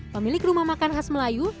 pemilik rumah makan khas melayu